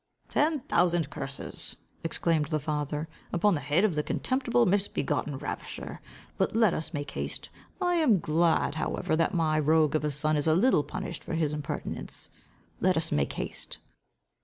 "Ten thousand curses," exclaimed the father, "upon the head of the contemptible, misbegotten ravisher! But let us make haste. I am glad however that my rogue of a son is a little punished for his impertinence. Let us make haste."